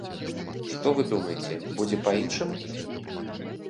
Што, вы думаеце, будзе па-іншаму?